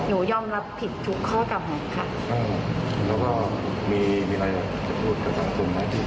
ยอมรับผิดทุกข้อเก่าหาค่ะแล้วก็มีมีอะไรอยากจะพูดกับสังคมไหม